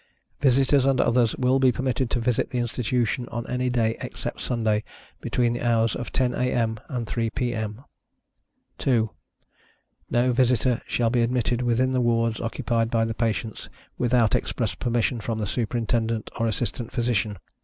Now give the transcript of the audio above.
Visitors and others will be permitted to visit the Institution on any day, except Sunday, between the hours of 10 A.Â M. and 3 P.Â M. 2. No visitor shall be admitted within the wards occupied by the patients, without express permission from the Superintendent, or Assistant Physician.